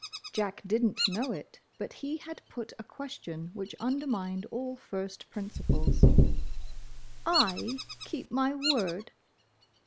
Jack did n't know it, but he had put a question which undermined all first principles. "I keep my word!"